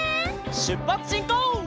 しゅっぱつしんこう！